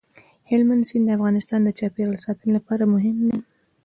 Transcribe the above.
هلمند سیند د افغانستان د چاپیریال ساتنې لپاره مهم دي.